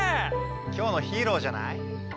今日のヒーローじゃない？